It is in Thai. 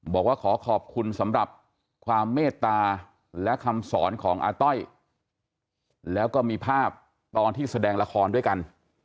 บอกว่าขอขอบคุณสำหรับความเมตตาและคำสอนของอาต้อยแล้วก็มีภาพตอนที่แสดงละครด้วยกัน